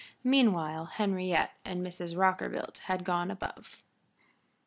Meanwhile Henriette and Mrs. Rockerbilt had gone above.